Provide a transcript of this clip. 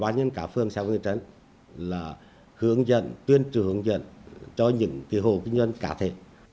nhưng thực tế